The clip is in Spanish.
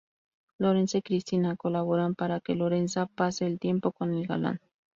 Lorenza y Cristina colaboran para que Lorenza pase el tiempo con el galán.